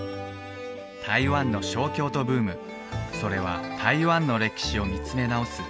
台湾の小京都ブームそれは台湾の歴史を見つめ直す